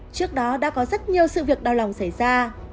trước đó đã có rất nhiều sự việc đau lòng xảy ra